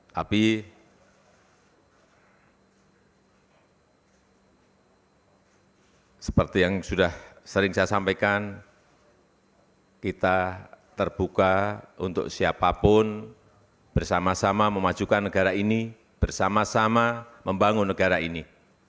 tapi seperti yang sudah sering saya sampaikan kita terbuka untuk siapapun bersama sama memajukan negara ini bersama sama membangun negara ini